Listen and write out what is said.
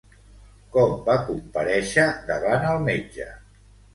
Com va comparèixer davant el metge?